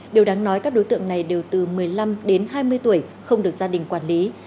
điều đáng nói các đối tượng này đều từ một mươi năm đến hai mươi tuổi không được gia đình quản lý